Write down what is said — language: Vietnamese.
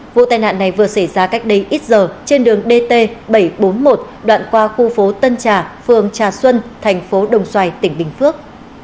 vụ tai nạn này vừa xảy ra cách đây ít giờ trên đường dt bảy trăm bốn mươi một đoạn qua khu phố tân trà phường trà xuân thành phố đồng xoài tỉnh bình phước